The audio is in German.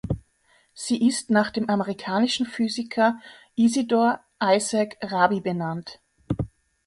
Sie ist nach dem amerikanischen Physiker Isidor Isaac Rabi benannt.